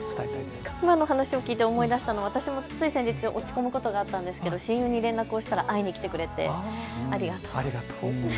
今の話を聞いて思い出したのはつい先日、落ち込むことがあったんですけれども親友に連絡したら会いに来てくれてありがとうと。